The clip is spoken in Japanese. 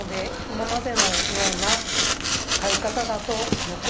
「今までのような買い方だと」